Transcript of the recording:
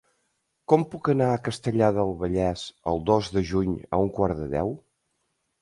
Com puc anar a Castellar del Vallès el dos de juny a un quart de deu?